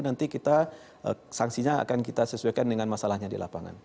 nanti kita sanksinya akan kita sesuaikan dengan masalahnya di lapangan